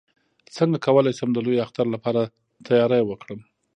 څنګه کولی شم د لوی اختر لپاره تیاری وکړم